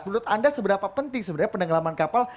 menurut anda seberapa penting sebenarnya penenggelaman kapal